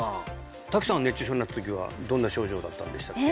滝さん熱中症になった時はどんな症状だったんでしたっけ？